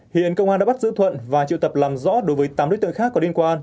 hiện công an đã bắt giữ thuận và triệu tập làm rõ đối với tám đối tượng khác có liên quan